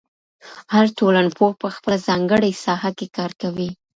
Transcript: هر ټولنپوه په خپله ځانګړې ساحه کې کار کوي.